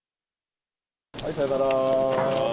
はい、さよなら。